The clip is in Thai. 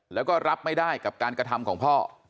แล้วก็รับไม่ได้กับการกระทำของพ่อ